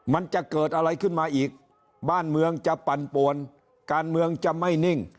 มันจะเกิดอะไรขึ้นมาอีกบ้านเมืองจะปั่นปวนการเมืองจะไม่นิ่ง